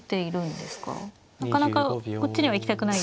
なかなかこっちには行きたくないですか。